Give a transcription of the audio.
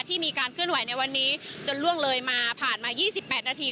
ที่มีการเคลื่อนไหวในวันนี้จนล่วงเลยมาผ่านมา๒๘นาที